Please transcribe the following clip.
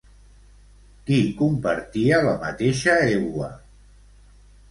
Qui compartia la mateixa egua?